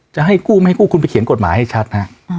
จะให้กู้ไม่กู้คุณไปเขียนกฎหมายให้ชัดฮะ